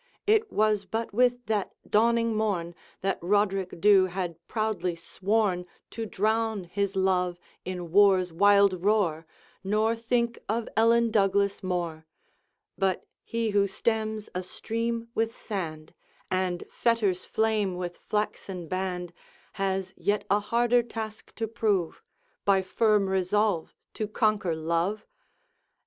It was but with that dawning morn That Roderick Dhu had proudly sworn To drown his love in war's wild roar, Nor think of Ellen Douglas more; But he who stems a stream with sand, And fetters flame with flaxen band, Has yet a harder task to prove, By firm resolve to conquer love!